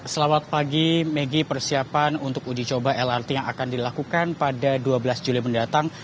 selamat pagi megi persiapan untuk uji coba lrt yang akan dilakukan pada dua belas juli mendatang